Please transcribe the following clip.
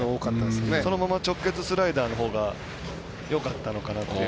そのまま直結スライダーのほうがよかったのかなという。